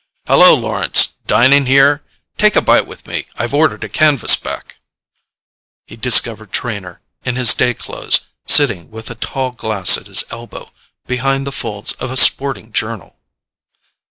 "Hallo, Lawrence! Dining here? Take a bite with me—I've ordered a canvas back." He discovered Trenor, in his day clothes, sitting, with a tall glass at his elbow, behind the folds of a sporting journal.